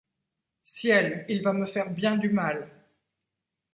Ciel ! il va me faire bien du mal !